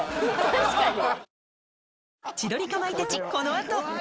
確かに。